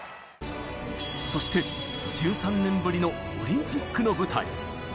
そして１３年ぶりのオリンピックの舞台。